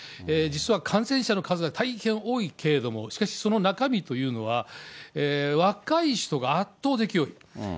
実は感染者の数は大変多いけれども、しかしその中身というのは、若い人が圧倒的に多い。